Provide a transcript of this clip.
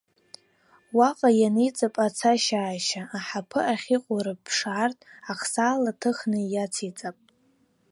Уаҟа ианиҵап ацашьааашьа, аҳаԥы ахьыҟоу рыԥшаартә ахсаала ҭыхны иациҵап.